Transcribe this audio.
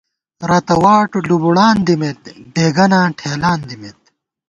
رتہ واٹ لُوبُوڑان دِمېت ، دېگَناں ٹھېلان دِمېت